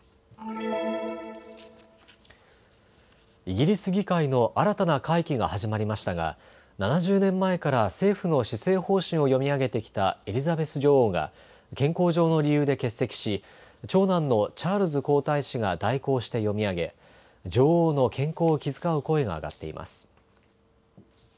イギリス議会の新たな会期が始まりましたが７０年前から政府の施政方針を読み上げてきたエリザベス女王が健康上の理由で欠席し長男のチャールズ皇太子が代行して読み上げ、女王の健康を気遣う声が上がっています。